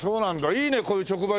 いいねこういう直売所。